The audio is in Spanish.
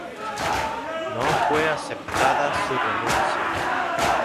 No fue aceptada su renuncia.